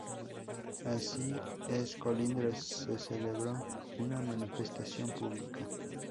Así en Colindres se celebró una manifestación pública.